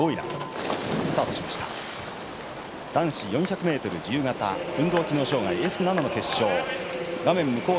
男子４００ｍ自由形運動機能障がいＳ７の決勝。